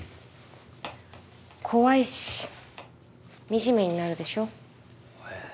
怖いし惨めになるでしょ。